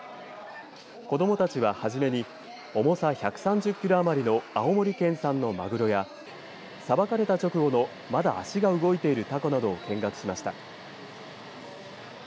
子どもたちは、はじめに重さ１３０キロ余りの青森県産のまぐろやさばかれた直後のまだ足が動いているたこなどを見学しました。